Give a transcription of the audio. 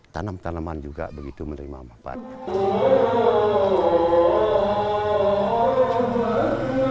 tanam tanaman juga begitu menerima manfaatnya